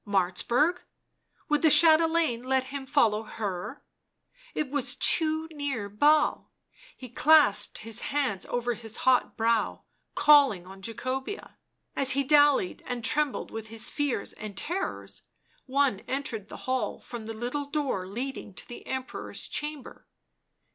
Martzburg! — would the chatelaine let him follow her ? It was too near Basle ; he clasped his hands over his hot brow, calling on Jacobea. As he dallied and trembled with his fears and terrors, one entered the hall from the little door leading to the Emperor's chamber.